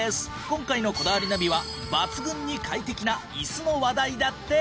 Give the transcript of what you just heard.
今回の『こだわりナビ』は抜群に快適なイスの話題だって。